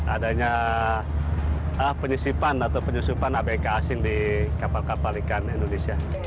adanya penyusupan atau penyusupan abk asing di kapal kapal ikan indonesia